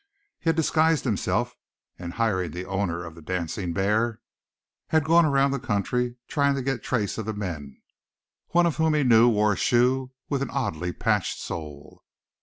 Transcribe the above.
He had disguised himself, and hiring the owner of the dancing bear, had gone around the country trying to get trace of the men, one of whom he knew wore a shoe with an oddly patched sole.